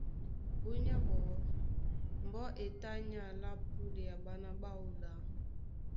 Búnyá ɓɔɔ́ mbɔ́ e tá ní alá púlea ɓána ɓáō ɗá.